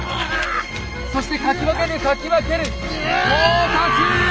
そしてかき分けるかき分ける！到達！